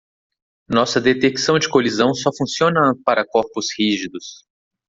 Nossa detecção de colisão só funciona para corpos rígidos.